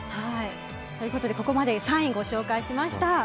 ここまで３位をご紹介しました。